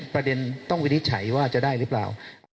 ประเด็นต้องวินิจฉัยว่าจะได้หรือเปล่า